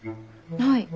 はい。